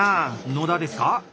野田ですか？